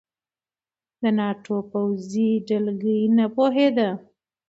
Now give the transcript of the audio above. د ناټو پوځي دلګۍ نه پوهېده.